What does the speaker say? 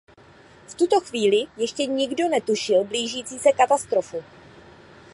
V tuto chvíli ještě nikdo netušil blížící se katastrofu.